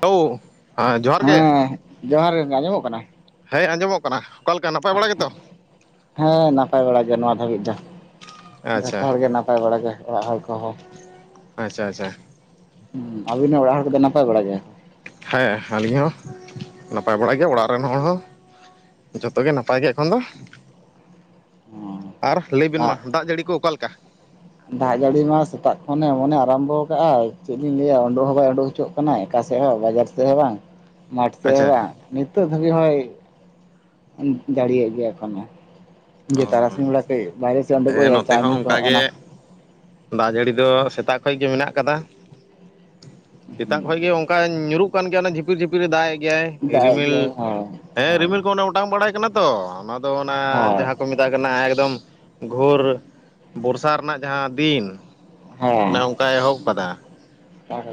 Hello ᱦᱮᱸ ᱡᱚᱦᱟᱨ hello ᱜᱮ ᱦᱮᱸ ᱡᱚᱦᱟᱸᱨ ᱜᱮ ᱜᱚᱝᱠᱮ ᱟᱸᱡᱚᱢᱚᱜ ᱠᱟᱱᱟ ᱦᱮᱸ ᱟᱸᱡᱚᱢᱚᱜ ᱠᱟᱱᱟ ᱚᱠᱟ ᱞᱮᱠᱟ ᱱᱟᱯᱟᱭ ᱵᱟᱲᱟ ᱜᱮᱛᱚ ᱦᱮᱸ ᱱᱟᱯᱟᱭ ᱵᱟᱲᱟ ᱜᱮ ᱱᱚᱣᱟ ᱫᱷᱟᱹᱵᱤᱡ ᱫᱚ ᱟᱪᱪᱷᱟ ᱡᱚᱛᱚ ᱦᱚᱲ ᱜᱮ ᱱᱟᱯᱟᱭ ᱵᱟᱲᱟ ᱜᱮ ᱚᱲᱟᱜ ᱦᱚᱲ ᱠᱚ ᱦᱚᱸ ᱟᱪᱪᱷᱟ ᱟᱪᱪᱷᱟ ᱦᱩᱸ ᱟᱵᱮᱱ ᱨᱮᱱ ᱚᱲᱟᱜ ᱦᱚᱲ ᱠᱚ ᱫᱚ ᱱᱟᱯᱟᱭ ᱵᱟᱲᱟ ᱜᱮᱭᱟ ᱦᱮᱸ ᱟᱹᱞᱤᱧ ᱦᱚᱸ ᱱᱟᱯᱟᱭ ᱵᱟᱲᱟ ᱜᱮ ᱚᱲᱟᱜ ᱨᱮᱱ ᱦᱚᱲ ᱦᱚᱸ ᱡᱚᱛᱚ ᱜᱮ ᱱᱟᱯᱟᱭ ᱜᱮ ᱮᱠᱷᱚᱱ ᱫᱚ ᱟᱨ ᱞᱟᱹᱭ ᱵᱮᱱ ᱢᱟ ᱫᱟᱜ ᱡᱟᱹᱲᱤ ᱠᱚ ᱚᱠᱟ ᱞᱮᱠᱟ ᱫᱟᱜ ᱡᱟᱹᱲᱤ ᱢᱟ ᱥᱮᱛᱟᱜ ᱠᱷᱚᱱᱮ ᱮᱢᱚᱱ ᱮ ᱟᱨᱟᱢᱵᱷᱚ ᱟᱠᱟᱫᱼᱟᱭ ᱪᱮᱫ ᱞᱤᱧ ᱞᱟᱹᱭᱟ ᱩᱰᱩᱠ ᱦᱚᱸ ᱵᱟᱭ ᱩᱰᱩᱠ ᱦᱚᱪᱚᱜ ᱠᱟᱱᱟᱭ ᱚᱠᱟ ᱥᱮᱫ ᱦᱚᱸ ᱵᱟᱝ ᱵᱟᱡᱟᱨ ᱥᱮᱫ ᱦᱚᱸ ᱵᱟᱝ ᱢᱟᱴᱷ ᱥᱮᱫ ᱦᱚᱸ ᱟᱪᱪᱷᱟ ᱵᱟᱝ ᱱᱤᱛᱚᱜ ᱫᱷᱟᱹᱵᱤᱡ ᱦᱚᱭ ᱫᱟᱲᱮᱭᱟᱜ ᱜᱮᱭᱟ ᱮᱠᱷᱚᱱᱳ ᱚ ᱡᱮ ᱛᱟᱨᱟᱥᱤᱧ ᱵᱮᱲᱟ ᱵᱟᱦᱨᱮ ᱥᱮᱫ ᱩᱰᱩᱠᱚᱜ ᱦᱮᱸ ᱦᱩᱭᱩᱜᱼᱟ ᱱᱚᱛᱮ ᱪᱟ ᱧᱩ ᱦᱚᱸ ᱠᱚ ᱚᱱᱠᱟ ᱜᱮ ᱚᱱᱟ ᱫᱟᱜ ᱡᱟᱹᱲᱤ ᱫᱚ ᱥᱮᱛᱟᱜ ᱠᱷᱚᱱ ᱜᱮ ᱢᱮᱱᱟᱜ ᱟᱠᱟᱫᱟ ᱥᱮᱛᱟᱜ ᱠᱷᱚᱡ ᱜᱮ ᱚᱝᱠᱟ ᱧᱩᱨᱩᱜ ᱠᱟᱱ ᱜᱮᱭᱟ ᱡᱷᱤᱯ ᱡᱷᱤᱯᱤᱨ ᱡᱷᱤᱯᱤᱨ ᱮ ᱫᱟᱜ ᱮᱫ ᱜᱮᱭᱟᱭ ᱫᱟᱜ ᱮᱫ ᱨᱤᱢᱤᱞ ᱜᱮᱭᱟᱭ ᱦᱳᱭ ᱦᱮᱸ ᱨᱤᱢᱤᱞ ᱠᱚ ᱚᱴᱟᱝ ᱵᱟᱲᱟᱭ ᱠᱟᱱᱟ ᱛᱚ ᱟᱫᱚ ᱚᱱᱟ ᱦᱳᱭ ᱡᱟᱦᱟᱸ ᱠᱚ ᱢᱮᱛᱟᱜ ᱠᱟᱱᱟ ᱮᱠᱫᱚᱢ ᱜᱷᱳᱨ ᱵᱚᱨᱥᱟ ᱨᱮᱱᱟᱜ ᱡᱟᱦᱟᱸ ᱯᱤᱱ ᱚᱱᱮ ᱦᱳᱭ ᱚᱝᱠᱟᱭ ᱮᱦᱚᱵ ᱠᱟᱫᱟ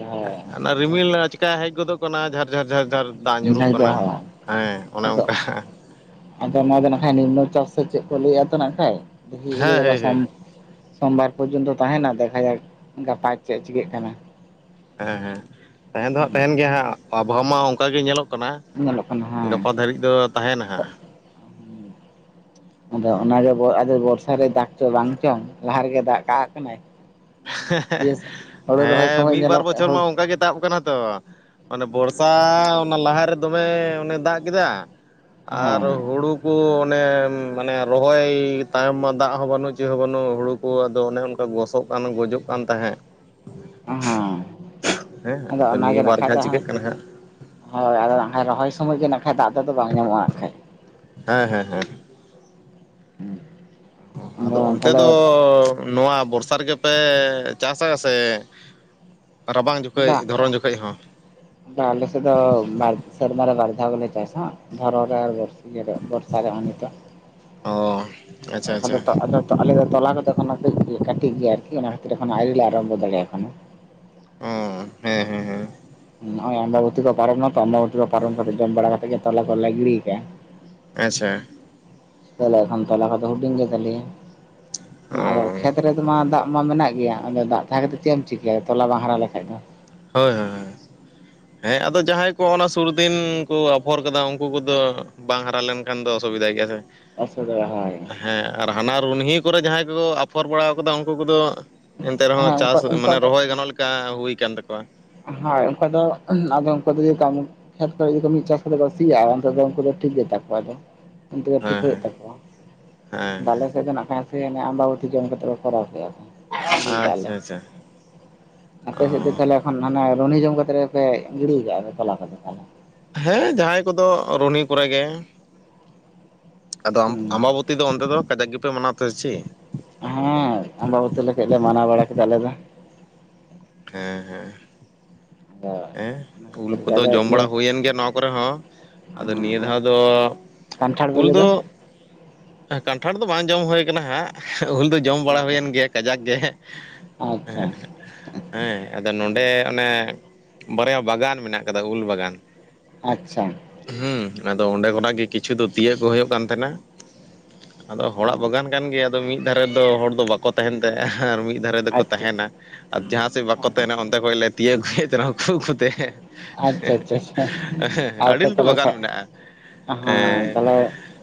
ᱦᱳᱭ ᱨᱤᱢᱤᱞ ᱪᱤᱠᱟ ᱦᱮᱡ ᱜᱚᱫᱚᱜ ᱠᱟᱱᱟ ᱡᱷᱟᱨ ᱡᱷᱟᱨ ᱡᱷᱟᱨ ᱡᱷᱟᱨ ᱫᱟᱜ ᱦᱮᱸ ᱧᱩᱨᱩᱜ ᱠᱟᱱᱟ ᱟᱫᱚ ᱦᱮᱸ ᱚᱱᱮ ᱚᱱᱠᱟ ᱟᱫᱚ ᱱᱚᱣᱟ ᱫᱚ ᱱᱟᱠᱷᱟᱡ ᱱᱤᱢᱱᱚ ᱪᱟᱯ ᱥᱮ ᱪᱮᱜ ᱠᱚ ᱞᱟᱹᱭᱮᱜᱼᱟ ᱛᱚ ᱱᱟᱜᱼᱠᱷᱟᱡ ᱦᱮᱸ ᱦᱳᱭ ᱦᱳᱭ [unintelligible] ᱥᱳᱢᱵᱟᱨ ᱯᱚᱨᱡᱚᱱᱛᱚ ᱛᱟᱦᱮᱸᱱᱟ ᱫᱮᱠᱷᱟ ᱡᱟᱠ ᱜᱟᱯᱟ ᱪᱮᱫ ᱪᱤᱠᱟᱹᱜ ᱠᱟᱱᱟ ᱦᱮᱸ ᱦᱮᱸ ᱛᱟᱦᱮᱸᱱ ᱫᱚ ᱦᱟᱸᱜ ᱛᱟᱦᱮᱸᱱ ᱦᱩᱸ ᱜᱮᱭᱟ ᱦᱟᱸᱜ ᱚᱵᱷᱟᱣ ᱢᱟ ᱚᱝᱠᱟ ᱜᱮ ᱧᱮᱞᱚᱜ ᱠᱟᱱᱟ᱾ ᱧᱮᱞᱚᱜ ᱠᱟᱱᱟ ᱦᱮᱸ ᱜᱟᱯᱟ ᱫᱷᱟᱹᱨᱤᱡ ᱫᱚ ᱛᱟᱦᱮᱸᱱᱟ ᱦᱟᱸᱜ ᱟᱫᱚ ᱚᱱᱟ ᱵᱚᱨᱥᱟ ᱨᱮ ᱫᱟᱜ ᱪᱚ ᱵᱟᱝ ᱪᱚᱝ ᱞᱟᱦᱟ ᱨᱮᱜᱮ ᱫᱟᱜ ᱠᱟᱜ ᱠᱟᱱᱟᱭ᱾ ᱤᱭᱟᱹ ᱦᱳᱲᱳ ᱨᱚᱦᱚᱭ ᱦᱮᱸ ᱥᱚᱢᱚᱭ ᱢᱤᱫ ᱵᱟᱨ ᱧᱮᱞᱚᱜ ᱵᱚᱪᱷᱚᱨ ᱦᱳᱲ ᱢᱟ ᱚᱝᱠᱟ ᱜᱮ ᱛᱟᱵ ᱟᱠᱟᱱᱟ ᱛᱚ ᱢᱟᱱᱮ ᱵᱚᱨᱥᱟ ᱚᱱᱟ ᱞᱟᱦᱟᱨᱮ ᱫᱚᱢᱮ ᱚᱱᱮ ᱫᱟᱜ ᱠᱮᱫᱟ ᱟᱨ ᱦᱮᱸ ᱦᱩᱲᱩ ᱦᱩ ᱠᱚ ᱚᱱᱮ ᱢᱟᱱᱮ ᱨᱚᱦᱚᱭ ᱛᱟᱭᱚᱢ ᱢᱟ ᱫᱟᱜ ᱦᱚᱸ ᱵᱟᱹᱱᱩᱜ ᱪᱮᱫ ᱦᱚᱸ ᱵᱟᱹᱱᱩᱜ ᱦᱩᱲᱩ ᱠᱚ ᱟᱫᱚ ᱚᱱᱮ ᱚᱝᱠᱟ ᱜᱚᱥᱚᱜ ᱵᱟᱝ ᱫᱚ ᱜᱚᱡᱚᱜ ᱠᱟᱱ ᱛᱟᱦᱮᱸᱫ ᱦᱮᱸ ᱟᱫᱚ ᱚᱱᱟ ᱱᱤᱭᱟᱹ ᱜᱮ ᱵᱟᱨ ᱱᱟᱠᱷᱟᱡ ᱫᱚ ᱦᱟᱸᱜ ᱦᱟᱸ ᱪᱤᱠᱟᱹᱜ ᱠᱟᱱᱟ ᱦᱟᱸᱜ ᱦᱳᱭ ᱟᱫᱚ ᱱᱟ ᱨᱚᱦᱚᱭ ᱥᱚᱢᱚᱭ ᱜᱮ ᱱᱟ ᱠᱷᱟᱡ ᱫᱟᱜ ᱛᱮᱫᱚ ᱵᱟᱝ ᱧᱟᱢᱚᱜᱼᱟ ᱟᱨ ᱠᱷᱟᱡ ᱦᱮᱸ ᱦᱮᱸ ᱦᱮᱸ ᱟᱫᱚ ᱚᱱᱛᱮ ᱫᱚ ᱱᱚᱣᱟ ᱵᱚᱨᱥᱟ ᱨᱮᱜᱮ ᱯᱮ ᱪᱟᱥᱟ ᱥᱮ ᱨᱟᱵᱟᱝ ᱡᱚᱠᱷᱮᱡ ᱫᱷᱚᱨᱚᱱ ᱡᱚᱠᱷᱮᱡ ᱦᱚᱸ ᱵᱟ ᱟᱞᱮ ᱥᱮᱫ ᱫᱚ ᱵᱟᱨ ᱥᱮᱨᱢᱟᱨᱮ ᱵᱟᱨᱫᱷᱟᱣ ᱜᱮᱞᱮ ᱪᱟᱥᱟ᱾ ᱫᱷᱚᱨᱚ ᱨᱮ ᱵᱟᱹᱨᱥᱤᱧ ᱨᱮ ᱵᱚᱨᱥᱟ ᱨᱮᱦᱚᱸ ᱱᱤᱛᱚᱜ ᱚ ᱟᱪᱪᱷᱟ ᱟ ᱟ ᱟᱪᱪᱷᱟ [unintelligible] ᱛᱚ ᱟᱞᱮ ᱫᱚ ᱛᱚᱞᱟ ᱠᱚᱫᱚ ᱮᱠᱷᱚᱱᱚ ᱠᱟᱹᱡ ᱠᱟᱹᱡ ᱠᱟᱹᱴᱤᱡ ᱜᱮᱭᱟ ᱟᱨᱠᱤ ᱚᱱᱟ ᱠᱷᱟᱹᱛᱤᱨ ᱮᱠᱷᱚᱱᱚ ᱟᱣᱨᱤ ᱞᱮ ᱟᱨᱚᱢᱵᱚ ᱫᱟᱲᱮᱜᱼᱟ ᱮᱠᱷᱚᱱ ᱦᱚᱸ᱾ ᱚ ᱦᱮᱸ ᱦᱮᱸ ᱦᱮᱸ ᱱᱚᱜᱼᱚᱭ ᱟᱢᱵᱟᱵᱩᱛᱤ ᱠᱚ ᱯᱟᱨᱚᱢᱱᱟ ᱛᱚ ᱟᱢᱵᱟᱵᱩᱛᱤ ᱠᱚ ᱯᱟᱨᱚᱢ ᱠᱟᱛᱮᱜ ᱡᱚᱢ ᱵᱟᱲᱟ ᱠᱟᱛᱮᱜ ᱜᱮ ᱛᱚᱞᱟ ᱠᱚᱞᱮ ᱜᱤᱲᱤᱭ ᱠᱟᱜᱼᱟ᱾ ᱟᱪᱪᱷᱟ ᱞᱟᱹᱭ ᱞᱮᱠᱷᱟᱱ ᱛᱚᱞᱟ ᱠᱚᱫᱚ ᱦᱩᱰᱤᱧ ᱜᱮ ᱛᱟᱞᱮᱭᱟ ᱚ ᱟᱫᱚ ᱦᱳᱭ ᱠᱷᱮᱛ ᱨᱮᱫᱚᱢᱟ ᱫᱟᱜ ᱢᱟ ᱢᱮᱱᱟᱜ ᱜᱮᱭᱟ ᱟᱫᱚ ᱫᱟᱜ ᱛᱟᱦᱮᱸ ᱠᱟᱛᱮ ᱪᱮᱜ ᱮᱢ ᱪᱤᱠᱟᱹᱭᱟ ᱛᱚᱞᱟ ᱵᱟᱝ ᱦᱟᱨᱟ ᱞᱮᱱᱠᱷᱟᱡ ᱫᱚ᱾ ᱦᱳᱭ ᱦᱳᱭ ᱦᱳᱭ ᱦᱮᱸ ᱟᱫᱚ ᱡᱟᱦᱟᱸᱭ ᱠᱚ ᱚᱱᱟ ᱥᱩᱨ ᱫᱤᱱ ᱠᱚ ᱟᱯᱷᱚᱨ ᱠᱟᱫᱟ ᱩᱝᱠᱩ ᱠᱚᱫᱚ ᱵᱟᱝ ᱦᱟᱨᱟ ᱞᱮᱱᱠᱷᱟᱱ ᱫᱚ ᱚᱥᱩᱵᱤᱫᱷᱟ ᱜᱮᱭᱟ ᱥᱮ᱾ [unintelligible] ᱦᱮᱸ ᱟᱨ ᱦᱟᱱᱟ ᱨᱩᱱᱦᱤ ᱠᱚᱨᱮ ᱡᱟᱦᱟᱸᱭ ᱠᱚᱠᱚ ᱟᱯᱷᱚᱨ ᱵᱟᱲᱟ ᱠᱟᱫᱟ ᱩᱱᱠᱩ ᱠᱚᱫᱚ ᱮᱱᱛᱮ ᱨᱮᱦᱚᱸ ᱦᱮᱸ ᱩᱱᱠᱩ ᱪᱟᱥ ᱢᱟᱱᱮ ᱩᱱᱠᱩᱣᱟᱜ ᱫᱚ ᱨᱚᱦᱚᱭ ᱜᱟᱱᱚᱜ ᱞᱮᱠᱟ ᱦᱩᱭ ᱠᱟᱱᱟ ᱛᱟᱠᱚᱣᱟ᱾ ᱦᱳᱭ ᱚᱱᱠᱟ ᱫᱚ ᱟᱫᱚ ᱩᱱᱠᱩ ᱫᱚ ᱠᱷᱮᱛ ᱠᱚᱨᱮ ᱡᱩᱫᱤ ᱠᱚ ᱢᱤᱜ ᱪᱟᱥ ᱠᱟᱛᱮ ᱠᱚ ᱥᱤᱭᱟ ᱟ ᱚᱱᱛᱮ ᱫᱚ ᱩᱝᱠᱩ ᱫᱚ ᱴᱷᱤᱠ ᱜᱮ ᱛᱟᱠᱚᱣᱟ ᱛᱚ᱾ ᱚᱱᱛᱮ ᱜᱮ ᱴᱷᱤᱠ ᱦᱮᱸ ᱦᱩᱭᱩᱜ ᱦᱮᱸ ᱛᱟᱠᱚᱣᱟ᱾ ᱦᱮᱸ ᱟᱫᱚ ᱟᱞᱮ ᱥᱮᱜ ᱫᱚ ᱱᱟᱜ ᱠᱷᱟᱡ ᱦᱮᱸᱥᱮ ᱟᱢᱵᱟᱵᱚᱛᱤ ᱡᱚᱢ ᱠᱟᱛᱮᱜ ᱠᱚ ᱠᱚᱨᱟᱣ ᱠᱮᱜᱼᱟ᱾ ᱦᱠᱟᱞᱮ ᱟᱪᱪᱷᱟ ᱟᱪᱪᱷᱟ [unintelligible] ᱟᱯᱮ ᱚ ᱥᱛᱮ ᱛᱟᱦᱚᱞᱮ ᱦᱟᱱ ᱦᱟᱱᱮ ᱨᱩᱦᱱᱤ ᱡᱚᱢ ᱠᱟᱛᱮᱨ ᱯᱮ ᱜᱤᱰᱤᱭ ᱠᱟᱜᱼᱟ ᱛᱚᱞᱟ ᱠᱚᱫᱚ ᱛᱟᱦᱞᱮ? ᱦᱮᱸ ᱡᱟᱦᱟᱸᱭ ᱠᱚᱫᱚ ᱨᱩᱱᱤ ᱠᱚᱨᱮ ᱜᱮ ᱟᱫᱚ ᱦᱩᱸ ᱟᱢᱵᱟᱵᱚᱛᱤ ᱫᱚ ᱚᱱᱛᱮ ᱫᱚ ᱠᱟᱡᱟᱠ ᱜᱮᱯᱮ ᱢᱟᱱᱟᱣᱛᱮ ᱪᱮᱫ ᱦᱮᱸ ᱟᱢᱵᱟᱵᱚᱛᱤ ᱞᱮ ᱠᱟᱹᱡ ᱞᱮ ᱢᱟᱱᱟᱣ ᱵᱟᱲᱟ ᱠᱮᱫᱟ ᱟᱞᱮ ᱫᱚ᱾ ᱦᱮᱸ ᱦᱮᱸ ᱟᱫᱚ ᱮᱸ ᱚᱱᱟ ᱩᱞ ᱠᱷᱟᱹᱛᱤᱨ ᱜᱮ ᱠᱚᱫᱚ ᱟᱫᱚ ᱡᱚᱢ ᱤᱭᱟᱹ ᱵᱟᱲᱟ ᱦᱩᱭᱮᱱ ᱜᱮᱭᱟ ᱱᱚᱣᱟ ᱠᱚᱨᱮ ᱦᱚᱸ᱾ ᱟᱫᱚ ᱱᱤᱭᱟᱹ ᱟᱨ ᱫᱷᱟᱣ ᱫᱚ ᱠᱟᱱᱴᱷᱟᱲ ᱵᱮᱞᱮ ᱫᱚ ᱠᱟᱱᱴᱷᱟᱲ ᱫᱚ ᱵᱟᱝ ᱡᱚᱢ ᱦᱩᱭ ᱠᱟᱱᱟ ᱦᱟᱸᱜ ᱩᱞ ᱫᱚ ᱡᱚᱢ ᱵᱟᱲᱟ ᱦᱮᱸᱛᱚ ᱦᱩᱭᱮᱱ ᱜᱮᱭᱟ ᱠᱟᱡᱟᱠ ᱜᱮ ᱦᱮᱸᱜ ᱮᱦᱮᱸᱜ ᱟᱪᱪᱷᱟ ᱮᱦᱮᱸᱜ [inaudible] ᱦᱮᱸ ᱟᱫᱚ ᱱᱚᱰᱮ ᱚᱱᱮ ᱵᱟᱨᱭᱟ ᱵᱟᱜᱟᱱ ᱢᱮᱱᱟᱜ ᱠᱟᱫᱟ ᱩᱞ ᱵᱟᱜᱟᱱ ᱟᱪᱪᱷᱟ ᱦᱩᱸ ᱟᱫᱚ ᱚᱸᱰᱮ ᱠᱷᱚᱱᱟᱜ ᱜᱮ ᱠᱤᱪᱷᱩ ᱫᱚ ᱛᱤᱭᱟᱹᱜ ᱠᱚ ᱦᱩᱭᱩᱜ ᱠᱟᱱ ᱛᱟᱦᱮᱸᱱᱟ᱾ ᱟᱫᱚ ᱦᱚᱲᱟᱜ ᱦᱚᱸ ᱵᱟᱜᱟᱱ ᱠᱟᱱ ᱜᱮᱭᱟ ᱟᱫᱚ ᱢᱤᱜ ᱫᱷᱟᱨᱮ ᱫᱚ ᱦᱚᱲ ᱫᱚ ᱵᱟᱠᱚ ᱛᱟᱦᱮᱱ ᱛᱟᱦᱮᱸᱜ ᱟᱨ ᱢᱤᱜ ᱫᱷᱟᱨᱮ ᱟᱪᱪᱷᱟ ᱫᱚᱠᱚ ᱟᱪᱪᱷᱟ ᱛᱟᱦᱮᱱᱟ ᱟᱨ ᱡᱟᱦᱟᱸ ᱥᱮᱜ ᱵᱟᱠᱚ ᱛᱟᱦᱮᱱᱟ ᱚᱱᱛᱮ ᱠᱷᱚᱡ ᱞᱮ ᱛᱤᱭᱟᱹᱜ ᱟᱹᱜᱩᱭᱮᱫ ᱛᱟᱦᱮᱱᱟ ᱩᱠᱷᱩ ᱩᱠᱷᱩ ᱦᱮᱸ ᱟᱪᱪᱷᱟ ᱟᱪᱪᱷᱟ ᱟᱪᱪᱷᱟ ᱟᱹᱰᱤ ᱟᱨᱯᱮ ᱞᱟᱹᱴᱩ ᱛᱟᱦᱚᱞᱮ ᱵᱟᱜᱟᱱ ᱢᱮᱱᱟᱜᱼᱟ᱾ ᱦᱮᱸ ᱛᱟᱦᱞᱮ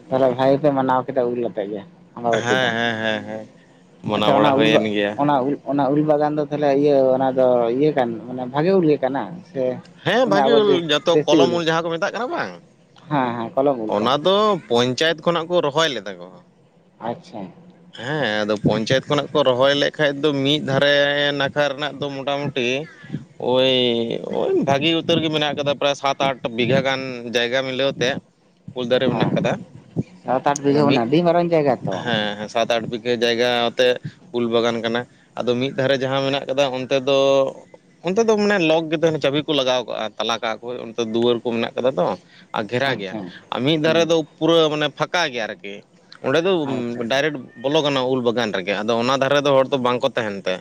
ᱛᱟᱦᱞᱮ ᱵᱷᱟᱜᱤ ᱯᱮ ᱢᱟᱱᱟᱣ ᱠᱮᱫᱟ ᱩᱞ ᱟᱛᱮᱜ ᱜᱮ? ᱟᱵᱟᱵᱚᱛᱤ ᱦᱮᱸ ᱫᱚ ᱦᱮᱸ ᱦᱮᱸ ᱦᱮᱸ ᱢᱟᱱᱟᱣ ᱟᱪᱪᱷᱟ ᱚᱱᱟ ᱵᱟᱲᱟ ᱩᱞ ᱫᱚ ᱦᱩᱭᱮᱱ ᱜᱮᱭᱟ ᱚᱱᱟ ᱩᱞ ᱚᱱᱟ ᱩᱞ ᱵᱟᱜᱟᱱ ᱫᱚ ᱛᱟᱞᱦᱮ ᱤᱭᱟᱹ ᱚᱱᱟ ᱫᱚ ᱤᱭᱟᱹ ᱠᱟᱱ ᱢᱟᱱᱮ ᱵᱷᱟᱜᱮ ᱩᱞ ᱜᱮ ᱠᱟᱱᱟ ᱥᱮ ᱦᱮᱸ ᱚᱱᱮ ᱵᱷᱟᱜᱤ ᱟᱵᱚ ᱩᱞ ᱫᱮ ᱡᱚᱛᱚ ᱫᱮᱥᱤ ᱠᱚᱞᱚᱢ ᱩᱞ ᱡᱟᱦᱟᱸ ᱠᱚ ᱢᱮᱛᱟᱜ ᱠᱟᱱᱟ ᱵᱟᱝ ᱦᱮᱸ ᱦᱮᱸ ᱠᱚᱞᱚᱢ ᱩᱞ ᱠᱚ ᱚᱱᱟ ᱫᱚ ᱯᱚᱧᱪᱟᱭᱮᱛ ᱠᱷᱚᱱᱟᱜ ᱠᱚ ᱨᱚᱦᱚᱭ ᱞᱮᱫᱟ ᱠᱚ ᱟᱪᱪᱷᱟ ᱦᱮᱸ ᱟᱫᱚ ᱯᱚᱧᱪᱟᱭᱮᱛ ᱠᱷᱚᱱᱟᱜ ᱠᱚ ᱨᱚᱦᱚᱭ ᱞᱮᱜ ᱠᱷᱟᱡ ᱫᱚ ᱢᱤᱜ ᱫᱷᱟᱨᱮ ᱱᱟᱠᱷᱟ ᱨᱮᱱᱟᱜ ᱫᱚ ᱢᱚᱴᱟᱢᱩᱴᱤ ᱳᱭ ᱳᱭ ᱵᱷᱟᱹᱜᱤ ᱩᱛᱟᱹᱨ ᱜᱮ ᱢᱮᱱᱟᱜ ᱟᱠᱟᱫᱟ ᱯᱨᱟᱭ ᱥᱟᱛ ᱟᱴ ᱵᱤᱜᱷᱟ ᱜᱟᱱ ᱡᱟᱭᱜᱟ ᱢᱤᱞᱟᱹᱣ ᱛᱮ ᱩᱞ ᱫᱟᱨᱮ ᱢᱮᱱᱟᱜ ᱦᱮᱸ ᱟᱠᱟᱫᱟ ᱥᱟᱛ ᱟᱴ ᱟᱫᱚ ᱵᱤᱜᱷᱟᱹ ᱢᱤᱫ ᱢᱟᱱᱮ ᱟᱹᱰᱤ ᱢᱟᱨᱟᱝ ᱡᱟᱭᱜᱟ ᱛᱚ ᱦᱮᱸ ᱦᱮᱸ ᱥᱟᱛ ᱟᱴ ᱵᱤᱜᱽᱼᱼ ᱡᱟᱭᱜᱟ ᱟᱛᱮ ᱩᱞ ᱵᱟᱜᱟᱱ ᱠᱟᱱᱟ ᱟᱫᱚ ᱢᱤᱫ ᱫᱷᱟᱨᱮ ᱡᱟᱦᱟᱸ ᱢᱮᱱᱟᱜ ᱠᱟᱫᱟ ᱚᱱᱛᱮ ᱫᱚ ᱚᱱᱛᱮ ᱫᱚ ᱢᱟᱱᱮ ᱞᱚᱠ ᱜᱮ ᱛᱟᱸᱦᱮᱱᱟ ᱪᱟᱹᱵᱤ ᱠᱚ ᱞᱟᱜᱟᱣ ᱠᱟᱜᱼᱟ, ᱛᱟᱞᱟ ᱠᱟᱜ ᱟᱠᱚ ᱚᱱᱛᱮ ᱫᱩᱣᱟᱹᱨ ᱠᱚ ᱢᱮᱱᱟᱜ ᱠᱟᱫᱟ ᱛᱚ᱾ ᱟᱨ ᱜᱷᱮᱨᱟ ᱜᱮᱭᱟ ᱟᱪᱪᱷᱟ ᱟᱨ ᱢᱤᱫ ᱫᱷᱟᱨᱮ ᱦᱩᱸ ᱫᱚ ᱯᱩᱨᱟᱹ ᱢᱟᱱᱮ ᱯᱷᱟᱸᱠᱟ ᱜᱮᱭᱟ ᱟᱨᱠᱤ᱾ ᱚᱸᱰᱮ ᱫᱚ ᱟᱪᱪᱷᱟ ᱟᱪᱪᱷᱟ ᱰᱟᱭᱨᱮᱠᱴ ᱵᱚᱞᱚ ᱜᱟᱱᱚᱜᱼᱟ ᱩᱞ ᱵᱟᱜᱟᱱ ᱨᱮᱜᱮ, ᱟᱫᱚ ᱚᱱᱟ ᱫᱷᱟᱨᱮ ᱫᱚ ᱦᱚᱲ ᱫᱚ ᱵᱟᱝᱠᱚ ᱛᱟᱸᱦᱮᱱ ᱛᱮ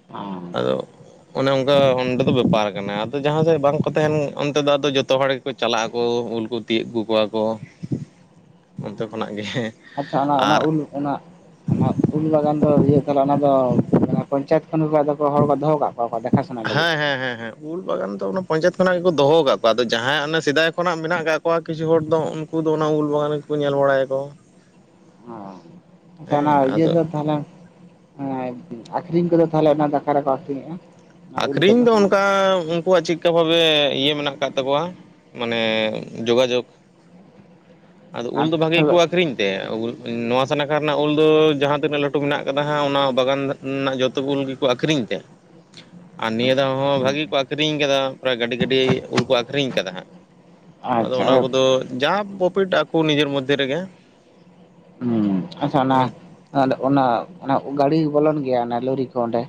[inaudible] ᱟᱫᱚ ᱚᱱᱮ ᱚᱝᱠᱟ ᱚᱸᱰᱮ ᱫᱚ ᱵᱮᱯᱟᱨ ᱟᱠᱟᱱᱟ᱾ ᱟᱫᱚ ᱡᱟᱦᱟᱸ ᱥᱮᱫ ᱵᱟᱝᱠᱚ ᱛᱟᱸᱦᱮᱱ ᱚᱱᱛᱮ ᱫᱚ ᱟᱫᱚ ᱡᱚᱛᱚ ᱦᱚᱲ ᱜᱮᱠᱚ ᱪᱟᱞᱟᱜ ᱟᱠᱚ ᱩᱞ ᱠᱩ ᱛᱤᱭᱟᱹᱜ ᱟᱜᱩ ᱠᱚᱣᱟ ᱠᱚ ᱚᱱᱛᱮ ᱠᱷᱚᱱᱟᱜ ᱜᱮ᱾ ᱟᱪᱪᱷᱟ ᱚᱱᱟ ᱚᱱᱟ ᱟᱨ ᱩᱞ ᱚᱱᱟ ᱚᱱᱟ ᱩᱞ ᱵᱟᱜᱟᱱ ᱫᱚ ᱤᱭᱟᱹ ᱛᱟᱦᱞᱮ ᱚᱱᱟ ᱫᱚ ᱢᱟᱱᱮ ᱯᱚᱧᱪᱟᱭᱮᱛ ᱠᱷᱚᱱ ᱜᱮᱠᱚ ᱟᱫᱚ ᱦᱚᱲ ᱠᱚ ᱫᱚᱦᱚ ᱠᱟᱜ ᱠᱚᱣᱟ ᱫᱮᱠᱷᱟ ᱥᱚᱱᱟᱭ ᱞᱟᱹᱜᱤᱫ᱾ ᱦᱮᱸ ᱦᱮᱸ ᱦᱮᱸ ᱦᱮᱸ ᱩᱞ ᱵᱟᱜᱟᱱ ᱫᱚ ᱚᱱᱟ ᱯᱚᱧᱟᱭᱮᱛ ᱠᱷᱚᱱᱟᱜ ᱜᱮᱠᱚ ᱫᱚᱦᱚ ᱟᱠᱟᱫ ᱠᱚᱣᱟ᱾ ᱟᱫᱚ ᱡᱟᱦᱟᱸᱭ ᱚᱱᱮ ᱥᱮᱫᱟᱭ ᱠᱷᱚᱱᱟᱜ ᱢᱮᱱᱟᱜ ᱠᱟᱜ ᱠᱚᱣᱟ ᱠᱤᱪᱷᱩ ᱦᱚᱲ ᱫᱚ ᱩᱼᱼ ᱩᱱᱠᱩ ᱫᱚ ᱚᱱᱟ ᱩᱞ ᱵᱟᱜᱟᱱ ᱜᱮᱠᱚ ᱧᱮᱞ ᱵᱟᱲᱟᱭ ᱟᱠᱚ᱾ ᱟᱪᱪᱷᱟ ᱚᱱᱟ ᱦᱮᱸ ᱤᱭᱟᱹ ᱟᱫᱚ ᱫᱚ ᱛᱟᱦᱚᱞᱮ ᱦᱮᱸ ᱟᱠᱠᱷᱨᱤᱧ ᱠᱚᱫᱚ ᱛᱟᱦᱚᱞᱮ ᱚᱱᱟ ᱫᱚ ᱟᱠᱟ ᱨᱮᱠᱚ ᱟᱠᱷᱨᱤᱧᱮᱜᱼᱟ? ᱚᱱᱟ ᱩᱞ ᱟᱠᱷᱨᱤᱧ ᱠᱚᱫᱚ ᱫᱚ ᱚᱱᱼᱼ ᱚᱱᱠᱟ ᱩᱱᱠᱩᱣᱟᱜ ᱪᱮᱫᱠᱟ ᱵᱚᱞᱮ ᱤᱭᱟᱹ ᱢᱮᱱᱟᱜ ᱠᱟᱜ ᱛᱟᱠᱚᱣᱟ ᱢᱟᱱᱮ ᱡᱳᱜᱟᱡᱳᱜᱽ ᱟᱫᱚ ᱩᱞ ᱫᱚ ᱵᱷᱟᱜᱮ ᱜᱮ ᱠᱚ ᱟᱴᱷᱟᱨᱚ ᱟᱠᱷᱨᱤᱧ ᱛᱮ ᱩᱞ ᱱᱚᱣᱟ ᱥᱟᱱᱟᱠᱷᱟ ᱨᱮᱱᱟᱜ ᱩᱞ ᱫᱚ ᱡᱟᱦᱟᱸ ᱛᱤᱱᱟᱹᱜ ᱞᱟᱹᱴᱩ ᱢᱮᱱᱟᱜ ᱟᱠᱟᱫᱟ ᱦᱟᱸᱜ ᱚᱱᱟ ᱵᱟᱜᱟᱱ [inaudible] ᱱᱟᱜ ᱡᱚᱛᱚ ᱜᱩᱞ ᱜᱮᱠᱚ ᱟᱠᱷᱨᱤᱧ ᱛᱮ, ᱟᱨ ᱱᱤᱭᱟᱹ ᱫᱷᱟᱣ ᱦᱚᱸ ᱵᱷᱟᱜᱤ ᱜᱮᱠᱚ ᱟᱠᱷᱨᱤᱧ ᱟᱠᱟᱫᱟ᱾ ᱯᱨᱟᱭ ᱜᱟᱹᱰᱤ ᱜᱟᱹᱰᱤ ᱩᱞ ᱠᱚ ᱟᱠᱷᱨᱤᱧ ᱟᱠᱟᱫᱟ ᱦᱟᱸᱜ᱾ ᱟᱫᱚ ᱚᱱᱟ ᱟᱪᱪᱷᱟ ᱠᱚᱫᱚ ᱡᱟ ᱯᱚᱯᱷᱤᱴ ᱟᱠᱚ ᱱᱤᱡᱮᱨ ᱢᱚᱫᱽᱫᱷᱮ ᱨᱮᱜᱮ᱾ ᱦᱩᱸ ᱟᱪᱷᱟ ᱦᱮᱸ ᱚᱱᱟ ᱚᱱᱟ ᱜᱰᱤ ᱵᱚᱞᱚᱱ ᱜᱮᱭᱟ ᱚᱱᱟ ᱞᱳᱨᱤ ᱠᱚ ᱚᱸᱰᱮ?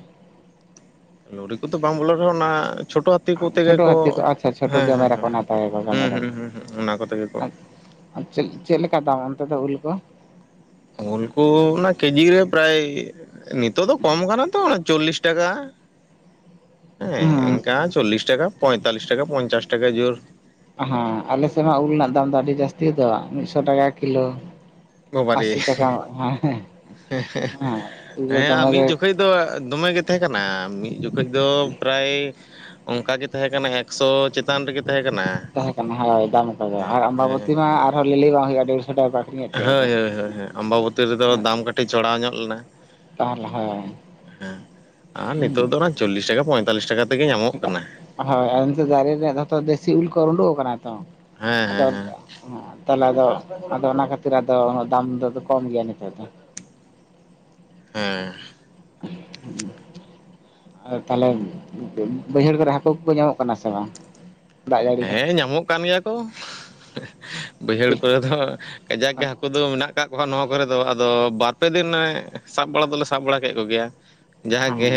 ᱞᱳᱨᱤ ᱠᱚᱫᱚ ᱵᱟᱝ ᱵᱚᱞᱚᱱ ᱨᱮᱦᱚᱸ ᱚᱱᱟ ᱪᱷᱳᱴᱳ ᱛᱤ ᱠᱚᱛᱮ ᱪᱷᱳᱴᱳ ᱜᱮᱠᱚ ᱦᱟᱹᱛᱤ ᱠᱚ ᱟᱪᱪᱷᱟ ᱪᱷᱳᱴᱳ ᱦᱮᱸ ᱦᱮᱸ ᱠᱮᱢᱮᱨᱟ ᱦᱮᱸ ᱠᱚ ᱦᱮᱸ ᱦᱟᱛᱟᱣᱟᱠᱚ ᱦᱩᱸ ᱠᱮᱢᱮᱨᱟ ᱦᱩᱸ ᱦᱩᱸ ᱦᱩᱸ ᱚᱱᱟ ᱠᱚᱛᱮ ᱜᱮᱠᱚ ᱪᱮᱫᱼᱪᱮᱫ ᱞᱮᱠᱟ ᱫᱟᱢ ᱚᱱᱛᱮ ᱫᱚ ᱩᱞ ᱠᱚ? ᱩᱞ ᱠᱚ ᱚᱱᱟ ᱠᱮᱡᱤ ᱨᱮ ᱯᱨᱟᱭ ᱱᱤᱛᱚᱜ ᱫᱚ ᱠᱚᱢ ᱟᱠᱟᱱᱟ ᱛᱚ ᱪᱚᱞᱞᱤᱥ ᱴᱟᱠᱟ ᱦᱮᱸ ᱦᱩᱸ ᱮᱱᱠᱟ ᱪᱚᱞᱞᱤᱥ ᱴᱟᱠᱟ ᱯᱚᱸᱭᱛᱟᱞᱞᱤᱥ ᱴᱟᱠᱟ ᱯᱚᱧᱪᱟᱥ ᱴᱟᱠᱟ ᱡᱳᱨ ᱦᱮᱸ ᱟᱞᱮᱥᱮᱫ ᱢᱟ ᱩᱞ ᱨᱮᱱᱟᱜ ᱫᱟᱢ ᱫᱚ ᱟᱹᱰᱤ ᱡᱟᱹᱥᱛᱤ ᱜᱮᱫᱚ ᱢᱤᱫᱽᱥᱚ ᱴᱟᱠᱟ ᱠᱤᱞᱳ ᱵᱟᱵᱟᱨᱮ ᱟᱥᱤ ᱴᱟᱠᱟ ᱦᱮᱸ ᱦᱮᱸ ᱟᱨ ᱫᱚᱢᱮ ᱜᱮ ᱢᱤᱫ ᱡᱚᱠᱷᱚᱡ ᱫᱚ ᱫᱚᱢᱮ ᱜᱮ ᱛᱟᱦᱮᱸ ᱠᱟᱱᱟ ᱢᱤᱫ ᱡᱚᱠᱷᱚᱡ ᱫᱚ ᱯᱨᱟᱭ ᱚᱱᱠᱟ ᱜᱮ ᱛᱟᱦᱮᱸ ᱠᱟᱱᱟ, ᱮᱠᱥᱚ ᱪᱮᱛᱟᱱ ᱨᱮᱜᱮ ᱛᱟᱦᱮᱸ ᱠᱟᱱᱟ᱾ ᱛᱟᱦᱮᱸ ᱠᱟᱱᱟ ᱦᱳᱭ ᱫᱟᱢᱠᱟ ᱜᱮ ᱟᱨ ᱦᱮᱸ ᱟᱢᱵᱟᱵᱚᱛᱤ ᱢᱟ ᱟᱨᱦᱚᱸ ᱞᱟᱹᱞᱟᱹᱭ ᱵᱟᱝ ᱦᱩᱭᱩᱜᱼᱟ ᱰᱮᱲᱥᱚ ᱴᱟᱠᱟ ᱟᱠᱷᱨᱤᱧᱮᱫ ᱛᱟᱦᱮᱸ ᱠᱚ ᱦᱳᱭ ᱦᱳᱭ ᱦᱳᱭ ᱦᱳᱭ ᱟᱢᱵᱟᱵᱚᱛᱤ ᱨᱮᱫᱚ ᱫᱟᱢ ᱠᱟᱹᱴᱤᱡ ᱪᱚᱲᱟ ᱧᱚᱜ ᱞᱮᱱᱟ᱾ ᱛᱟᱦᱚᱞᱮ ᱦᱳᱭ ᱦᱮᱸ ᱟᱨ ᱦᱩᱸ ᱱᱤᱛᱚᱜ ᱫᱚ ᱚᱱᱟ ᱪᱚᱞᱞᱤᱥ ᱴᱟᱠᱟ ᱯᱚᱸᱭᱛᱟᱞᱞᱤᱥ ᱴᱟᱠᱟ ᱛᱮᱜᱮ ᱧᱟᱢᱚᱜ ᱠᱟᱱᱟ᱾ ᱦᱳᱭ ᱟᱫᱚ ᱱᱤᱛᱚᱜ ᱫᱟᱨᱮ ᱨᱮᱭᱟᱜ ᱡᱷᱚᱛᱚ ᱫᱮᱥᱤ ᱩᱞ ᱠᱚ ᱚᱸᱰᱳᱜ ᱟᱠᱟᱱᱟ ᱛᱚ ᱦᱮᱸᱻᱦᱮᱸᱻ ᱛᱟᱦᱚᱞᱮ ᱮᱸ ᱛᱟᱦᱚᱞᱮ ᱟᱫᱚ, ᱟᱫᱚ ᱚᱱᱟ ᱠᱷᱟᱹᱛᱤᱨ ᱟᱫᱚ ᱫᱟᱢ ᱫᱚ ᱟᱫᱚ ᱠᱚᱢ ᱜᱮᱭᱟ ᱱᱤᱛᱳᱜ ᱫᱚ᱾ ᱦᱮᱸ ᱟᱨ ᱛᱟᱦᱞᱮ ᱵᱟᱹᱭᱦᱟᱹᱲ ᱠᱚᱨᱮ ᱦᱟᱹᱠᱩ ᱠᱚᱠᱚ ᱧᱟᱢᱚᱜ ᱠᱟᱱᱟ ᱥᱮ ᱵᱟᱝ? ᱫᱟᱜ ᱡᱟᱹᱲᱤ ᱦᱮᱸ ᱧᱟᱢᱚᱜ ᱠᱟᱱ ᱜᱮᱭᱟ ᱠᱚ ᱵᱟᱹᱭᱦᱟᱹᱲ ᱠᱷᱟᱹᱛᱤᱨ ᱠᱚᱨᱮ ᱫᱚ ᱠᱟᱡᱟᱠ ᱜᱮ ᱦᱮᱸ ᱦᱟᱹᱠᱩ ᱫᱚ ᱢᱮᱱᱟᱜᱼᱼ [inaudible] ᱠᱚᱣᱟ ᱱᱚᱣᱟ ᱠᱚᱨᱮ ᱫᱚ, ᱟᱫᱚ ᱵᱟᱨᱯᱮ ᱫᱤᱱ ᱥᱟᱵ ᱵᱟᱲᱟ ᱫᱚᱞᱮ ᱥᱟᱵ ᱵᱟᱲᱟ ᱠᱮᱫ ᱠᱚ ᱜᱮᱭᱟ᱾ ᱡᱟᱦᱟᱸᱜᱮ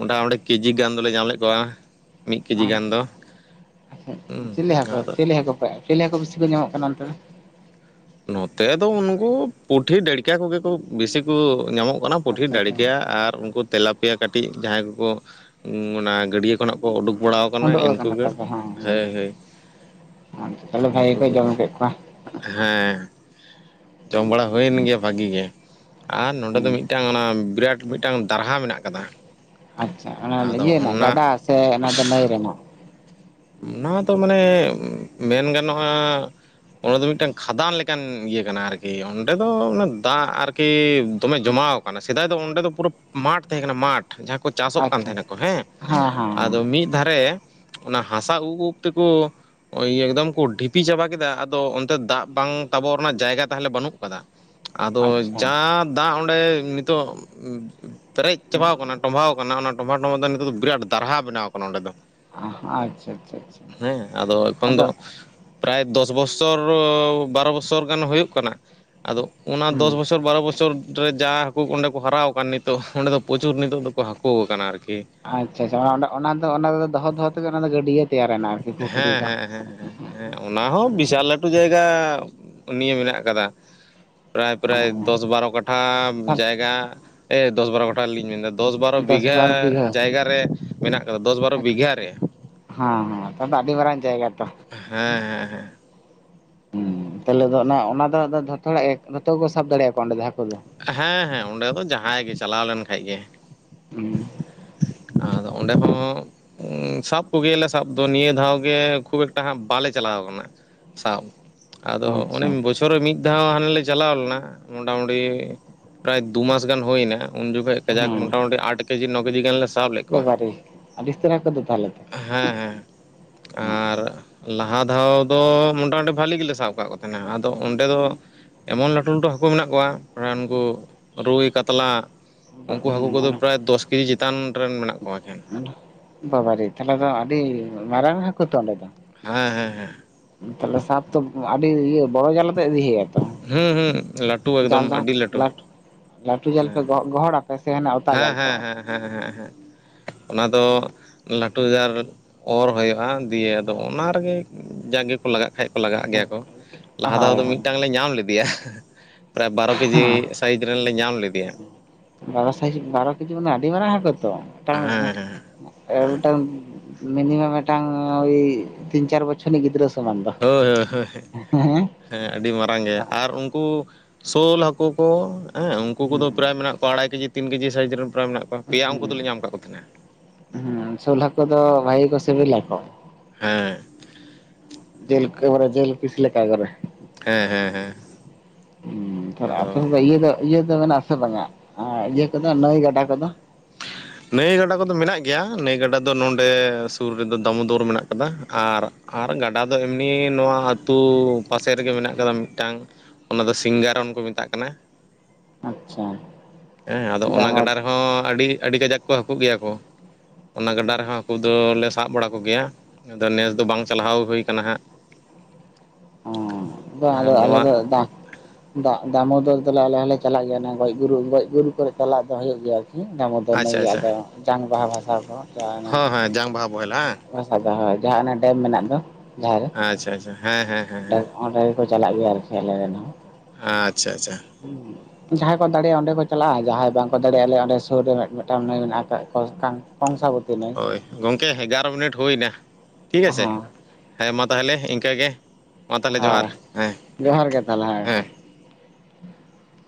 ᱚᱸᱰᱟ ᱚᱲᱮᱡ ᱠᱮᱹᱡᱤ ᱜᱟᱱ ᱫᱚᱞᱮ ᱧᱟᱢ ᱞᱮᱫ ᱠᱚᱣᱟ, ᱢᱤᱫ ᱠᱮᱡᱤ ᱜᱟᱱ ᱟᱪᱪᱷᱟ ᱫᱚ᱾ ᱦᱩᱸ ᱪᱤᱞᱤ ᱦᱟᱹᱠᱩ ᱟᱫᱚ ᱪᱤᱞᱤ ᱦᱟᱹᱠᱩᱮᱯ ᱪᱤᱞᱤ ᱦᱟᱹᱠᱩ ᱵᱤᱥᱤ ᱠᱚ ᱧᱟᱢᱚᱜ ᱠᱟᱱᱟ ᱚᱱᱛᱮ ᱫᱚ? ᱱᱚᱛᱮ ᱫᱚ ᱩᱱᱠᱩ ᱯᱩᱴᱷᱤ ᱰᱟᱹᱲᱠᱟ ᱠᱚᱜᱮ ᱠᱚ ᱵᱤᱥᱤ ᱠᱚ ᱧᱟᱢᱚᱜᱼᱼ ᱚᱱᱟ ᱯᱩᱴᱷᱤ ᱟᱪᱪᱷᱟ ᱫᱟᱹᱲᱤ ᱟᱪᱪᱷᱟ ᱠᱮᱭᱟ ᱟᱨ ᱩᱱᱠᱩᱫ ᱛᱮᱞᱟ ᱯᱮᱭᱟ ᱠᱟᱹᱴᱤᱡ ᱡᱟᱦᱟᱸᱭ ᱠᱩᱠᱩ ᱚᱱᱟ ᱜᱟᱹᱰᱭᱟᱹ ᱠᱷᱚᱱᱟᱜ ᱠᱚ ᱩᱰᱩᱠ ᱵᱟᱲᱟᱣ ᱠᱟᱱᱟᱭ ᱩᱰᱩᱠ ᱤᱱᱠᱩ ᱟᱠᱟᱱᱟ ᱜᱮ ᱛᱚᱵᱮ ᱦᱮᱸ ᱦᱮᱭ ᱦᱮᱭ ᱦᱮᱸ ᱛᱟᱦᱚᱞᱮ ᱤᱱᱠᱩ ᱵᱷᱟᱜᱮ ᱠᱚ ᱠᱟᱜᱮ᱾ ᱡᱚᱢ ᱠᱮᱫ ᱠᱚᱣᱟ ᱦᱮᱸ ᱡᱚᱢ ᱵᱟᱲᱟ ᱦᱩᱭᱮᱱ ᱜᱮᱭᱟ ᱵᱷᱟᱜᱤ ᱜᱮ ᱟᱨ ᱱᱚᱰᱮ ᱫᱚ ᱢᱤᱫ ᱦᱮᱸ ᱢᱤᱫᱴᱟᱝ ᱚᱱᱟ ᱵᱤᱨᱟᱴ ᱢᱤᱫᱴᱟᱝ ᱫᱟᱨᱦᱟ ᱢᱮᱱᱟᱜ ᱠᱟᱫᱟ ᱟᱪᱷᱟ ᱚᱱᱟ ᱟᱫᱚ ᱤᱭᱟᱹ ᱨᱮᱱᱟᱜ ᱚᱱᱟ ᱜᱟᱰᱟ ᱥᱮ ᱚᱱᱟ ᱫᱚ ᱱᱟᱹᱭ ᱨᱮᱱᱟᱜ ᱚᱱᱟ ᱫᱚ ᱢᱟᱱᱮ ᱢᱮᱱ ᱜᱟᱱᱚᱜᱼᱟ ᱚᱸᱰᱮ ᱫᱚ ᱢᱤᱫᱴᱮᱱ ᱠᱷᱟᱫᱟᱱ ᱞᱮᱠᱟᱱ ᱤᱭᱟᱹ ᱠᱟᱱᱟ ᱟᱨᱠᱤ ᱚᱸᱰᱮ ᱫᱚ ᱚᱱᱟ ᱫᱟᱜ ᱟᱨᱠᱤ ᱫᱚᱢᱮ ᱡᱚᱢᱟᱣ ᱠᱟᱱᱟ ᱥᱮᱫᱟᱭ ᱫᱚ ᱚᱸᱰᱮ ᱫᱚ ᱯᱩᱨᱟᱹ ᱢᱟᱴ ᱛᱟᱦᱮᱸ ᱠᱟᱱᱟ ᱢᱟᱴ ᱡᱟᱦᱟᱸ ᱠᱚ ᱪᱟᱥᱚᱜ ᱠᱟᱱ ᱟᱪᱪᱷᱟ ᱛᱟᱦᱮᱱᱟ ᱠᱚ ᱦᱮᱸ, ᱦᱮᱸ ᱦᱮᱸ ᱟᱫᱚ ᱢᱤᱫ ᱫᱷᱟᱨᱮ ᱚᱱᱟ ᱦᱟᱥᱟ ᱩᱵ ᱩᱵ ᱛᱮᱠᱩ ᱳᱭ ᱤᱭᱟᱹ ᱮᱠᱫᱚᱢ ᱠᱩ ᱰᱷᱤᱯᱤ ᱪᱟᱵᱟ ᱠᱮᱫᱟ ᱟᱫᱚ ᱚᱱᱛᱮ ᱫᱟᱜ ᱵᱟᱝ ᱛᱟᱵᱚᱜ ᱨᱮᱱᱟᱜ ᱡᱟᱭᱜᱟ ᱛᱟᱦᱚᱞᱮ ᱵᱟᱹᱱᱩᱜ ᱠᱟᱫᱟ ᱟᱫᱚ ᱟᱪᱪᱷᱟ ᱡᱟ ᱫᱟᱜ ᱚᱸᱰᱮ ᱱᱤᱛᱚᱜ ᱩᱸᱜ ᱯᱮᱨᱮᱡ ᱪᱟᱵᱟᱣ ᱠᱟᱱᱟ ᱴᱚᱢᱵᱷᱟᱣ ᱠᱟᱱᱟ ᱚᱱᱟ ᱴᱚᱢᱵᱷᱟᱣ ᱴᱚᱢᱵᱷᱟᱣ ᱛᱮ ᱱᱤᱛᱚᱜ ᱫᱚ ᱵᱤᱨᱟᱴ ᱫᱟᱨᱦᱟ ᱵᱮᱱᱟᱣ ᱠᱟᱱᱟ ᱚᱸᱰᱮ ᱫᱚ ᱚ ᱟᱪᱷᱟ ᱪᱷᱟ ᱪᱷᱟ᱾ ᱦᱮᱸ ᱟᱫᱚ ᱮᱠᱷᱚᱱ ᱫᱚ ᱯᱨᱟᱭ ᱫᱚᱥ ᱵᱚᱪᱷᱚᱨᱚ ᱵᱟᱨᱚ ᱵᱚᱪᱷᱚᱨ ᱜᱟᱱ ᱦᱩᱭᱩᱜ ᱠᱟᱱᱟ ᱟᱫᱚ, ᱚᱱᱟ ᱫᱚᱥ ᱦᱩᱸ ᱵᱚᱪᱷᱚᱨ ᱵᱟᱨᱚ ᱵᱚᱪᱷᱚᱨ ᱨᱮ ᱡᱟ ᱦᱟᱹᱠᱩ ᱠᱚ ᱚᱸᱰᱮ ᱠᱚ ᱦᱟᱨᱟᱣ ᱠᱟᱱ ᱱᱤᱛᱚᱜ ᱚᱸᱰᱮ ᱫᱚ ᱯᱨᱚᱪᱩᱨ ᱱᱤᱛᱚᱜ ᱫᱚᱠᱩ ᱦᱟᱹᱠᱩ ᱟᱠᱟᱱᱟ ᱟᱨᱠᱤ᱾ ᱟᱪᱷᱟ ᱟᱪᱷᱟ ᱚᱱᱟ ᱫᱚ ᱚᱱᱟ ᱫᱚᱦᱚ ᱫᱚᱦᱚ ᱛᱮᱜᱮ ᱚᱱᱟ ᱫᱚ ᱜᱟᱹᱰᱭᱟᱹ ᱛᱮᱭᱟᱨᱮᱱᱟ ᱟᱨᱠᱤ ᱯᱩᱠᱷᱨᱤ ᱦᱮᱸ ᱞᱮᱠᱟ ᱦᱮᱸ ᱦᱮᱸ ᱦᱮᱸ ᱦᱮᱸ ᱚᱱᱟ ᱦᱚᱸ ᱵᱤᱥᱟᱞ ᱞᱟᱹᱴᱩ ᱡᱟᱭᱜᱟ ᱱᱤᱭᱟᱹ ᱢᱮᱱᱟᱜ ᱟᱠᱟᱫᱟ ᱯᱨᱟᱭ ᱯᱨᱟᱭ ᱫᱚᱥ ᱵᱟᱨᱚ ᱠᱟᱴᱷᱟ ᱦᱮᱸ ᱡᱟᱭᱜᱟ ᱮ ᱫᱚᱥ ᱵᱟᱨᱚ ᱠᱟᱴᱷᱟ ᱞᱤᱝ ᱢᱮᱱᱫᱟ ᱫᱚᱥ ᱵᱟᱨᱚ ᱵᱤᱜᱷᱟ ᱵᱟᱨ ᱵᱤᱜᱷᱟᱹ ᱡᱟᱭᱜᱟ ᱨᱮ ᱢᱮᱱᱟᱜ ᱠᱟᱫᱟ ᱫᱚᱥ ᱵᱟᱨᱚ ᱵᱤᱜᱷᱟ ᱨᱮ ᱦᱚᱸ ᱦᱚᱸ ᱟᱫᱚ [unintelligible] ᱟᱹᱰᱤ ᱢᱟᱨᱟᱝ ᱡᱟᱭᱜᱟ ᱛᱚ ᱦᱮᱸ ᱦᱮᱸ ᱦᱮᱸ᱾ ᱦᱮᱸ ᱛᱟᱦᱚᱞᱮ ᱫᱚ ᱚᱱᱟ ᱚᱱᱟ ᱫᱚ ᱫᱷᱚᱛᱚᱲᱟ ᱮ ᱫᱷᱚᱛᱚ ᱠᱩ ᱥᱟᱵ ᱫᱟᱲᱮᱭᱟ ᱠᱩᱣᱟ ᱚᱸᱰᱮ ᱦᱟᱹᱠᱩ ᱫᱚ ᱦᱮᱸ ᱦᱮᱸ ᱚᱸᱰᱮ ᱫᱚ ᱡᱟᱦᱟᱸᱭ ᱜᱮ ᱪᱟᱞᱟᱣ ᱞᱮᱱ ᱠᱷᱟᱡ ᱜᱮ ᱦᱩᱸ ᱟᱫᱚ ᱚᱸᱰᱮ ᱦᱚᱸ ᱩᱸᱜ ᱥᱟᱵ ᱠᱩᱜᱮᱭᱟᱞᱮ ᱥᱟᱵ ᱫᱚ ᱱᱤᱭᱟᱹ ᱫᱷᱟᱣ ᱜᱮ ᱠᱷᱩᱵ ᱮᱠᱴᱟ ᱦᱟᱸᱜ ᱵᱟᱞᱮ ᱪᱟᱞᱟᱣ ᱠᱟᱱᱟ ᱥᱟᱵ ᱟᱫᱚ ᱚᱱᱮ ᱟᱪᱪᱷᱟ ᱵᱚᱪᱷᱚᱨ ᱨᱮ ᱢᱤᱫ ᱫᱷᱟᱣ ᱦᱟᱱᱮ ᱞᱮ ᱪᱟᱞᱟᱣ ᱞᱮᱱᱟ, ᱢᱚᱴᱟᱢᱩᱴᱤ ᱯᱨᱟᱭ ᱫᱩᱢᱟᱥ ᱜᱟᱱ ᱦᱩᱭᱱᱟ ᱩᱱ ᱡᱚᱠᱷᱟᱡ ᱠᱟᱡᱟᱠ ᱦᱮᱸ ᱢᱚᱴᱟᱢᱩᱴᱤ ᱟᱴ ᱠᱮᱡᱤ ᱱᱚ ᱠᱮᱡᱤ ᱜᱟᱱ ᱞᱮ ᱥᱟᱵ ᱞᱮᱫ ᱠᱚᱣᱟ ᱵᱟᱵᱟᱨᱮ ᱟᱹᱰᱤ ᱩᱥᱛᱟᱹᱨ ᱦᱟᱹᱠᱩ ᱫᱚ ᱛᱟᱦᱚᱞᱮ ᱛᱚ ᱦᱮᱸ ᱦᱮᱸ ᱦᱮᱸ ᱮᱸᱫ ᱟᱨ ᱞᱟᱦᱟ ᱫᱷᱟᱣ ᱫᱚ ᱢᱚᱴᱟᱢᱩᱴᱤ ᱵᱷᱟᱹᱞᱤ ᱜᱮᱞᱮ ᱥᱟᱵ ᱟᱠᱟᱫ ᱠᱩ ᱛᱟᱦᱮᱱᱟ, ᱟᱫᱚ ᱚᱸᱰᱮ ᱫᱚ ᱮᱢᱚᱱ ᱞᱟᱹᱴᱩ ᱞᱟᱹᱴᱩ ᱦᱟᱹᱠᱩ ᱢᱮᱱᱟᱜ ᱠᱩᱣᱟ ᱯᱨᱟᱭ ᱩᱱᱠᱩ ᱨᱩᱭ ᱠᱟᱛᱞᱟ ᱩᱝᱠᱩ ᱦᱟᱹᱠᱩ ᱠᱩᱫᱚ ᱯᱨᱟᱭ ᱫᱚᱥ ᱠᱮᱡᱤ ᱪᱮᱛᱟᱱ ᱨᱮᱱ ᱢᱮᱱᱟᱜ ᱠᱚᱣᱟ ᱮᱠᱮᱱ ᱵᱟᱵᱟᱨᱮ ᱛᱟᱦᱚᱞᱮ ᱫᱚ ᱟᱹᱰᱤ ᱢᱟᱨᱟᱝ ᱦᱟᱹᱠᱩ ᱛᱚ ᱚᱸᱰᱮ ᱫᱚ ᱦᱮᱸ ᱦᱮᱸ ᱦᱮᱸ ᱛᱟᱦᱞᱮ ᱥᱟᱯ ᱛᱚ ᱟᱹᱰᱤ ᱤᱭᱟᱹ ᱵᱚᱲᱚ ᱡᱟᱞ ᱯᱮ ᱤᱫᱤ ᱠᱟᱜᱼᱟ ᱛᱚ ᱦᱩᱸ ᱦᱩᱸ ᱞᱟᱹᱴᱩ ᱮᱠᱫᱚᱢ ᱡᱟᱞ ᱫᱚ ᱟᱹᱰᱤ ᱞᱟᱹᱴᱩ᱾ ᱞᱟᱹᱴᱩ ᱡᱟᱞ ᱦᱮᱸ ᱯᱮ ᱜᱚᱦᱚ ᱜᱚᱦᱚᱲᱟᱯᱮ ᱥᱮ ᱚᱱᱟ ᱦᱮᱸ ᱦᱮᱸ ᱦᱮᱸ ᱦᱮᱸ ᱦᱮᱸ ᱦᱮᱸ ᱦᱮᱸᱜ ᱚᱱᱟ ᱫᱚ ᱞᱟᱹᱴᱩ ᱡᱟᱨ, ᱚᱨ ᱦᱩᱭᱩᱜᱼᱟ ᱤᱭᱮ ᱟᱫᱚ ᱚᱱᱟ ᱨᱮᱜᱮ ᱡᱟᱜᱮ ᱠᱚ ᱞᱟᱜᱟᱜ ᱠᱷᱟᱡ ᱠᱚ ᱞᱟᱜᱟᱜ ᱜᱮᱭᱟ ᱠᱚ ᱞᱟᱦᱟ ᱫᱷᱟᱣ ᱫᱚ ᱦᱳᱭ ᱢᱤᱫᱴᱟᱝ ᱞᱮ ᱧᱟᱢ ᱞᱮᱫ ᱤᱭᱟᱜ ᱯᱨᱟᱭ ᱵᱟᱨᱚ ᱠᱮᱡᱤ ᱥᱟᱭᱤᱡᱽ ᱨᱮᱱ ᱞᱮ ᱧᱟᱢ ᱞᱮᱫᱮᱭᱟ ᱵᱟᱨᱚ ᱥᱟᱭᱤᱡᱽ ᱵᱟᱨᱚ ᱠᱮᱡᱤ ᱢᱟᱱᱮ ᱟᱹᱰᱤ ᱢᱟᱨᱟᱝ ᱦᱟᱹᱠᱩ ᱛᱚ ᱢᱤᱫᱴᱟᱝ ᱦᱮᱸ ᱦᱮᱸ ᱮ ᱢᱤᱫᱴᱟᱝ ᱢᱤᱱᱤᱢᱟᱢ ᱢᱤᱫᱴᱟᱝ ᱳᱭ ᱛᱤᱱ ᱪᱟᱨ ᱵᱚᱪᱷᱚᱨᱮᱱᱤᱡ ᱜᱤᱫᱽᱨᱟᱹᱥ ᱦᱳᱭ ᱦᱳᱭ ᱦᱳᱭ ᱦᱮᱜ [inaudible] ᱦᱮᱸ ᱟᱹᱰᱤ ᱢᱟᱨᱟᱝ ᱜᱮ ᱟᱨ ᱩᱱᱠᱩ ᱥᱳᱞ ᱦᱟᱹᱠᱩ ᱠᱚ ᱦᱮᱸ ᱩᱱᱠᱩ ᱦᱩᱸ ᱠᱚᱫᱚ ᱯᱨᱟᱭ ᱢᱮᱱᱟᱜ ᱠᱚᱣᱟ ᱟᱲᱟᱭ ᱠᱮᱡᱤ ᱛᱤᱱ ᱠᱮᱡᱤ ᱥᱟᱭᱤᱡ ᱨᱮᱱ ᱯᱨᱟᱭ ᱢᱮᱱᱟᱜ ᱠᱚᱣᱟ, ᱯᱮᱭᱟ ᱩᱱᱠᱩ ᱫᱚᱞᱤᱧ ᱧᱟᱢ ᱟᱠᱟᱫ ᱠᱩ ᱛᱟᱦᱮᱱᱟ ᱦᱩᱸ ᱥᱳᱞᱦᱟᱠᱩ ᱫᱚ ᱵᱷᱟᱜᱮ ᱠᱚ ᱥᱤᱵᱤᱞ ᱞᱟ ᱠᱚ? ᱦᱮᱸ [unintelligible] ᱫᱤᱞᱠᱟᱹ ᱵᱟᱨᱮ ᱡᱤᱞ ᱯᱤᱥ ᱞᱮᱠᱟ [inaudible] ᱵᱟᱨᱮ ᱦᱮᱸ ᱦᱮᱸ ᱦᱮᱸ ᱦᱩ ᱛᱷᱚᱨ ᱟᱯᱮ ᱟᱫᱚ ᱤᱭᱟᱹ ᱫᱚ ᱤᱭᱟᱹ ᱫᱚ ᱢᱮᱱᱟᱜ-ᱟ ᱥᱮ ᱵᱟᱝ ᱟ ᱤᱭᱟᱹ ᱠᱚᱫᱚ ᱱᱟᱹᱭ ᱜᱟᱰᱟ ᱠᱚᱫᱚ ᱱᱟᱹᱭ ᱜᱟᱰᱟ ᱠᱚᱫᱚ ᱢᱮᱱᱟᱜ ᱜᱮᱭᱟ ᱱᱟᱹᱭ ᱜᱟᱰᱟ ᱫᱚ ᱱᱚᱸᱰᱮ ᱥᱩᱨ ᱨᱮᱫᱚ ᱫᱟᱢᱳᱫᱚᱨ ᱢᱮᱱᱟᱜ ᱠᱟᱫᱟ ᱟᱨ ᱟᱨ ᱜᱟᱰᱟ ᱫᱚ ᱮᱢᱱᱤ ᱱᱚᱣᱟ ᱟᱹᱛᱩ ᱯᱟᱥᱮ ᱨᱮᱜᱮ ᱢᱮᱱᱟᱜ ᱠᱟᱫᱟ ᱢᱤᱫᱴᱟᱝ ᱚᱱᱟ ᱫᱚ ᱥᱤᱝᱜᱟᱨᱚᱱ ᱠᱚ ᱢᱮᱛᱟᱜ ᱠᱟᱱᱟ ᱟᱪᱪᱷᱟ ᱦᱮᱸ ᱟᱫᱚ ᱚᱱᱟ ᱰᱟᱝᱜᱟ ᱜᱟᱰᱟ ᱨᱮᱦᱚᱸ ᱟᱹᱰᱤ ᱟᱹᱰᱤ ᱠᱟᱡᱟᱠ ᱠᱚ ᱦᱟᱹᱠᱩ ᱜᱮᱭᱟ ᱠᱚ ᱚᱱᱟ ᱜᱟᱰᱟ ᱨᱮᱦᱚᱸ ᱦᱟᱹᱠᱩ ᱫᱚᱞᱮ ᱥᱟᱵ ᱵᱟᱲᱟ ᱠᱚᱜᱮᱭᱟ, ᱟᱫᱚ ᱱᱮᱥ ᱫᱚ ᱵᱟᱝ ᱪᱟᱞᱟᱦᱟᱣ ᱦᱩᱭ ᱟᱠᱟᱱᱟ ᱦᱟᱸᱜ ᱚᱸ ᱵᱟᱝ ᱟᱨ ᱟᱫᱚ ᱱᱚᱣᱟ ᱟᱞᱮᱫᱚ ᱵᱟᱝ ᱫᱟᱜ ᱫᱟᱢᱳᱫᱚᱨ ᱫᱚᱞᱮ ᱟᱞᱮ ᱦᱚᱸᱞᱮ ᱪᱟᱞᱟᱜ ᱜᱮᱭᱟ ᱜᱚᱡ ᱜᱩᱨᱩᱜ ᱜᱚᱡ ᱜᱩᱨ ᱠᱚᱨᱮ ᱪᱟᱞᱟᱜ ᱫᱚ ᱦᱩᱭᱩᱜ ᱜᱮᱭᱟ ᱟᱨ ᱦᱩ ᱫᱟᱢᱳᱫᱚᱨ ᱱᱟᱹᱭ ᱟᱪᱪᱷᱟ ᱟᱪᱪᱷᱟ ᱜᱟᱰᱟ ᱢᱟ ᱡᱟᱝ ᱵᱟᱦᱟ ᱵᱷᱟᱥᱟ ᱠᱚ ᱪᱟᱞᱟᱱᱟ ᱦᱚᱸ ᱦᱮᱸ ᱡᱟᱝ ᱵᱟᱦᱟ ᱵᱚᱦᱮᱞ ᱦᱟᱝ [inaudible] [inaudible] ᱡᱟᱦᱟᱸ ᱚᱱᱟ ᱰᱮᱢ ᱢᱮᱱᱟᱜ ᱫᱚ ᱡᱟᱦᱟᱸ ᱨᱮ ᱟᱪᱷᱟ ᱟᱪᱷᱟ ᱦᱮᱸ ᱦᱮᱸ ᱦᱮᱸ ᱦᱮᱸ ᱚᱸᱰᱮ ᱜᱮᱠᱚ ᱪᱟᱞᱟᱜ ᱜᱮᱭᱟ ᱟᱨᱠᱤ ᱟᱞᱮ ᱨᱮᱱ ᱦᱚᱸ ᱟᱸ ᱟᱪᱷᱟ ᱟᱪᱷᱟ ᱦᱩᱸ ᱡᱟᱦᱟᱸᱭ ᱠᱚ ᱫᱟᱲᱮᱭᱟᱜ-ᱟ ᱚᱸᱰᱮ ᱠᱚ ᱪᱟᱞᱟᱜ-ᱟ ᱡᱟᱦᱟᱸᱭ ᱵᱟᱝᱠᱚ ᱫᱟᱲᱮᱭᱟᱜᱼᱟ ᱟᱞᱮ ᱚᱸᱰᱮ ᱥᱩᱨ ᱨᱮ ᱢᱤᱫ ᱢᱤᱫᱴᱟᱝ ᱱᱟᱹᱭ ᱢᱮᱱᱟᱜ ᱠᱟ ᱠᱚᱨᱥᱛᱷᱟᱱ, ᱠᱚᱝᱥᱟ ᱵᱚᱛᱤ ᱱᱟᱹᱭ ᱦᱳᱭ ᱜᱚᱢᱠᱮ ᱮᱜᱟᱨᱚ ᱢᱤᱱᱤᱴ ᱦᱩᱭᱱᱟ ᱴᱷᱤᱠ ᱟᱪᱷᱮ ᱦᱮᱸ ᱦᱮᱸ ᱢᱟ ᱛᱟᱦᱚᱞᱮ ᱤᱱᱠᱟᱹᱜᱮ᱾ ᱢᱟ ᱛᱟᱦᱚᱞᱮ ᱦᱮᱸ ᱡᱚᱦᱟᱨ ᱦᱮᱸ ᱡᱚᱦᱟᱨ ᱜᱮ ᱛᱟᱦᱚᱞᱮ ᱦᱮᱸ [inaudible]